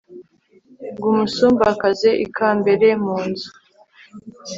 ngo umusumbakaze ikambere mu nzu